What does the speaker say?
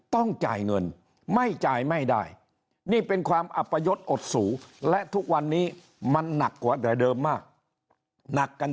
ต้องจ่ายเงินไม่จ่ายไม่ได้นี่เป็นความอัปยศอดสูและทุกวันนี้มันหนักกว่าแต่เดิมมากหนักกัน